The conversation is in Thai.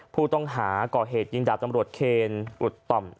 ผู้ต้องหาก่อเหตุยิงดาบตำรวจเคนอุดต่อม